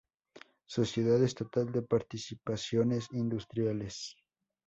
Sociedad Estatal de Participaciones Industriales